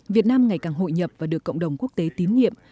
việt nam ngày càng hội nhập và được cộng đồng quốc tế tín nhiệm